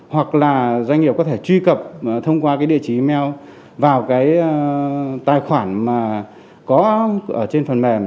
hoặc là doanh nghiệp có thể truy cập thông qua cái địa chỉ email vào cái tài khoản mà có ở trên phần mềm